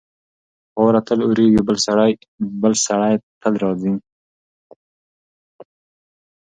واوره تل اورېږي. بل سړی تل راځي.